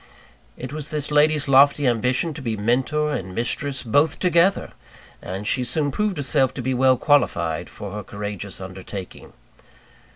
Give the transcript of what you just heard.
It was this lady's lofty ambition to be Mentor and mistress, both together! And she soon proved herself to be well qualified for her courageous undertaking.